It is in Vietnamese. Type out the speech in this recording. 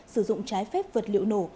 sử dụng trái phép vật liệu nổ